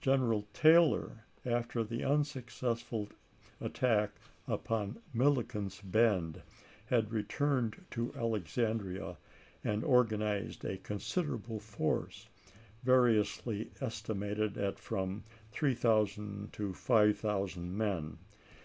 General Taylor, after the unsuccessful attack upon Milliken's Bend, had returned to Alexandria and organized a considerable force, variously estimated at from 3000 to 5000 men.